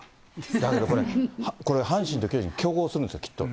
だけどこれ、阪神と巨人、競合するんですよ、きっと。